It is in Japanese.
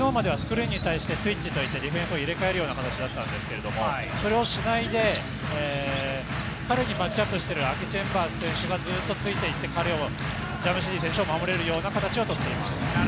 昨日まではスクリーンに対してスイッチといって、ディフェンスを入れ替える形だったんですけれども、それをしないで彼にマッチアップしているチェンバース選手がずっとついていってジャムシディ選手を守れるような形を取っています。